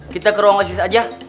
kita ke ruang asis aja